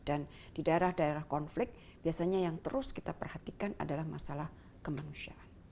dan di daerah daerah konflik biasanya yang terus kita perhatikan adalah masalah kemanusiaan